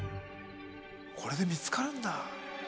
これで見つかるんだ。